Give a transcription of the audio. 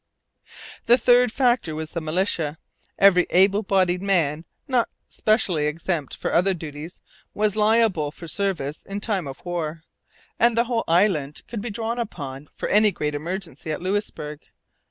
The third factor was the militia. Every able bodied man, not specially exempt for other duties, was liable for service in time of war; and the whole island could be drawn upon for any great emergency at Louisbourg.